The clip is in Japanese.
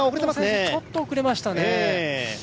ちょっと遅れましたね。